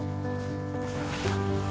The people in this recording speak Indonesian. punya lu kan